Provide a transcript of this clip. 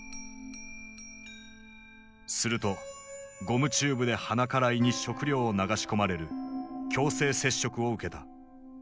するとゴムチューブで鼻から胃に食料を流し込まれる強制摂食を受けた。